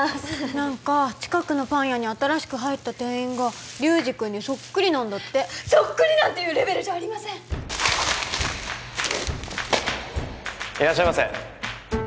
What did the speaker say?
何か近くのパン屋に新しく入った店員が流司くんにソックリなんだってソックリなんていうレベルじゃありませんいらっしゃいませ